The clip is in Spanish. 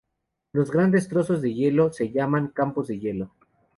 Los grandes trozos de hielo se llaman "campos de hielo".